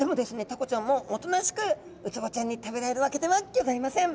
タコちゃんもおとなしくウツボちゃんに食べられるわけではギョざいません。